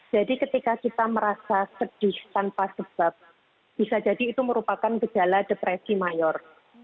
jadi ketika kita merasa sedih tanpa sebab bisa jadi itu merupakan gejala depresi mayor